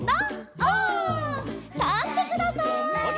オ！たってください！